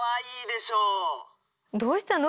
どうしたの？